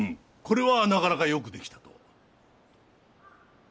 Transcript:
これはなかなかよく出来たと。